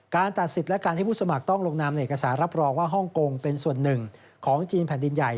ตัดสิทธิ์และการให้ผู้สมัครต้องลงนามเอกสารรับรองว่าฮ่องกงเป็นส่วนหนึ่งของจีนแผ่นดินใหญ่